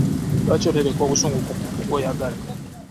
Lwaki otereka obusungu ku muntu gwoyagala